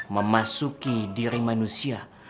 memasuki diri manusia